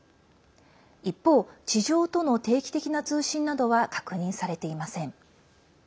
一方、地上との定期的な通信などは確認されていません。